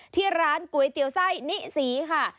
ที่ร้านก๋วยเตี๋ยวไส้นิสีค่ะ